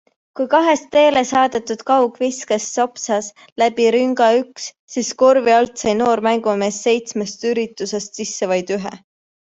Kui kahest teele saadetud kaugviskest sopsas läbi rünga üks, siis korvi alt sai noor mängumees seitsmest üritusest sisse vaid ühe.